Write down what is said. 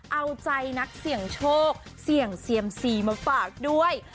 เอาใจนักเสี่ยงโชคเสี่ยงเซียมซีมาฝากด้วย